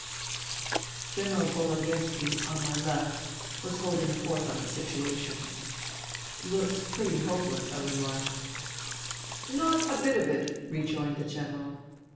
INTERVENING IN SIBERIA 185 General Bologoevski, on my left, was holding forth on the situation. " Looks pretty hopeless," I remarked. Not a bit of it," rejoined the General.